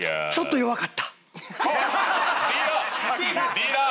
ディーラー！